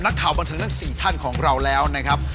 ข่าวบันเทิงทั้ง๔ท่านของเราแล้วนะครับ